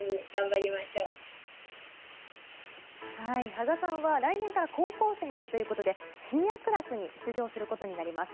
芳我さんは来年から高校生になるということでシニアクラスに出場することになります。